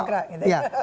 bagi jokra gitu ya